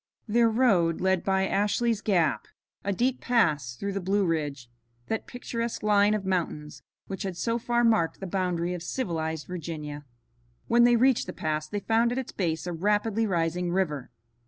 Their road led by Ashley's Gap, a deep pass through the Blue Ridge, that picturesque line of mountains which had so far marked the boundary of civilized Virginia. When they reached the pass they found at its base a rapidly rising river.